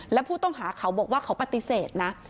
และผู้ต้องหาเขาบอกว่าเขาปฏิเสธนะ